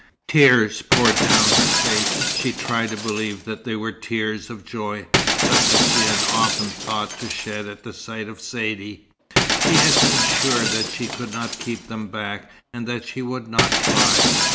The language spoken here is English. Tears poured down her face. She tried to believe they were tears of joy, such as she had often thought to shed at sight of Saidee. She had been sure that she could not keep them back, and that she would not try.